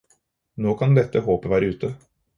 Nå kan dette håpet være ute.